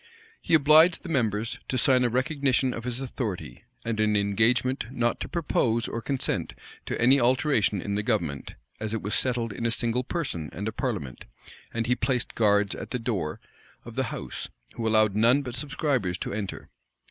He obliged the members to sign a recognition of his authority, and an engagement not to propose or consent to any alteration in the government, as it was settled in a single person and a parliament; and he placed guards at the door of the house, who allowed none but subscribers to enter.